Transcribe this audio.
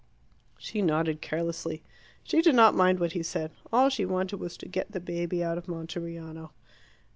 She nodded carelessly. She did not mind what he said. All she wanted was to get the baby out of Monteriano.